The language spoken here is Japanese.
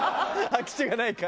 空き地がないか？